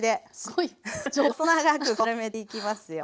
細長くこう丸めていきますよ。